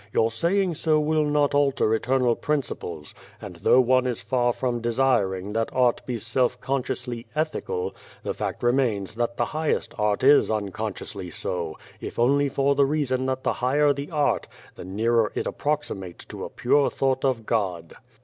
Your saying so will not alter eternal principles, and though one is far from desiring that art be self consciously ethical, the fact remains that the highest art is unconsciously so, if only for the reason that the higher the art, the 81 G The Face nearer it approximates to a pure thought of God.'